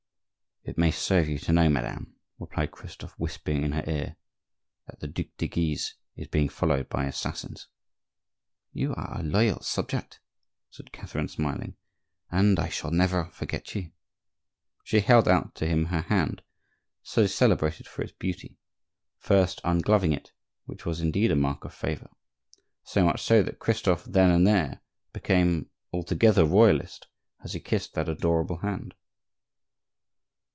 "It may serve you to know, madame," replied Christophe, whispering in her ear, "that the Duc de Guise is being followed by assassins." "You are a loyal subject," said Catherine, smiling, "and I shall never forget you." She held out to him her hand, so celebrated for its beauty, first ungloving it, which was indeed a mark of favor,—so much so that Christophe, then and there, became altogether royalist as he kissed that adorable hand.